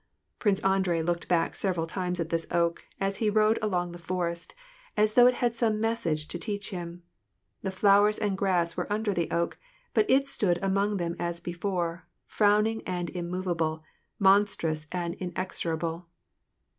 " Prince Andrei looked back several times at this oak, as* he rode along the forest, as though it had some message to teach him. The flowers and grass were under the oak ; but it stood among them as before, frowning and immovable, monstrous and inexorable.